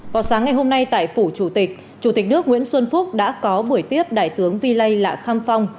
vào sáng ngày hôm nay tại phủ chủ tịch chủ tịch nước nguyễn xuân phúc đã có buổi tiếp đại tướng vi lây lạ kham phong